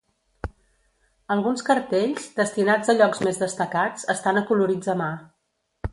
Alguns cartells, destinats a llocs més destacats, estan acolorits a mà.